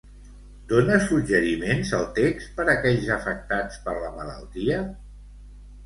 Dona suggeriments el text per aquells afectats per la malaltia?